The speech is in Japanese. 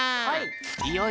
はい。